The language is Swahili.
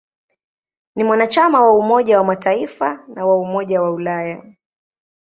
Ni mwanachama wa Umoja wa Mataifa na wa Umoja wa Ulaya.